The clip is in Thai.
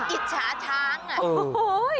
อิจฉาช้างอ่ะ